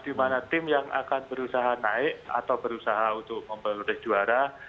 di mana tim yang akan berusaha naik atau berusaha untuk memperlude juara